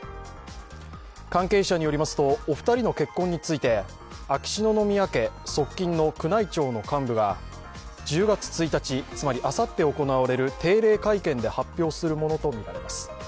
関係者によりますと、お二人の結婚について秋篠宮家、側近の宮内庁の幹部は１０月１日、あさって行われる定例会見で発表するものとみられます。